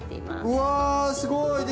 うんすごい！